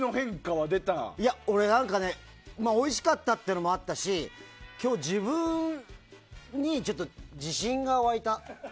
俺、おいしかったってのもあったし今日、自分にちょっと自信が湧いた。